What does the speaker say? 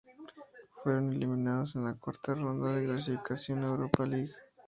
Fueron eliminados en la cuarta ronda de clasificación a Europa League.